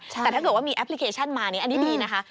แต่ถ้าเกิดว่ามีแอปพลิเคชันมานี้อันนี้ดีนะคะ